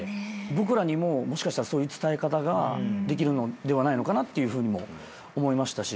僕らにももしかしたらそういう伝え方ができるのではないのかっていうふうにも思いましたし。